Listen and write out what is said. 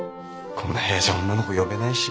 こんな部屋じゃ女の子呼べないし。